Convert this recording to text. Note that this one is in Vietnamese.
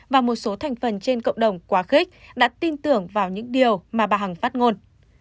và một số thành phần trên cộng đồng quá khích đã tin tưởng vào những điều mà bà hằng phát ngôn